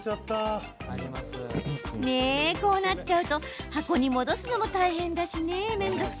こうなっちゃうと箱に戻すのも大変ですよね。